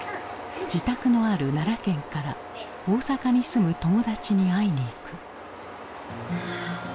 自宅のある奈良県から大阪に住む友達に会いに行く。